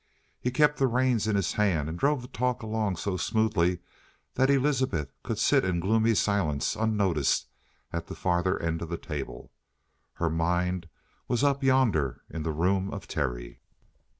He kept the reins in his hands and drove the talk along so smoothly that Elizabeth could sit in gloomy silence, unnoticed, at the farther end of the table. Her mind was up yonder in the room of Terry.